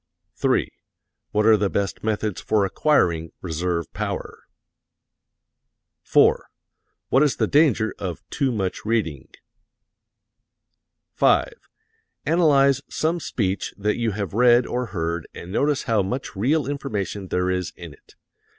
3. What are the best methods for acquiring reserve power? 4. What is the danger of too much reading? 5. Analyze some speech that you have read or heard and notice how much real information there is in it.